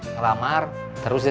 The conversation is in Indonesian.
ngelamar terus diterima